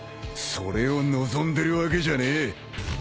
それを望んでるわけじゃねえ。